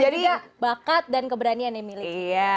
dan juga bakat dan keberanian yang milik